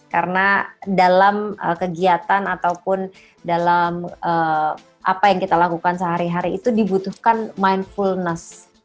karena dalam kegiatan ataupun dalam apa yang kita lakukan sehari hari itu dibutuhkan mindfullness